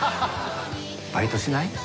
バイトしない？